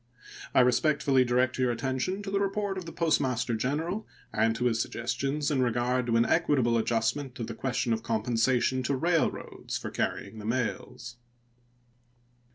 I respectfully direct your attention to the report of the Postmaster General and to his suggestions in regard to an equitable adjustment of the question of compensation to railroads for carrying the mails.